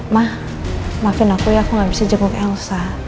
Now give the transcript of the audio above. ma maafin aku ya aku nggak bisa jenguk elsa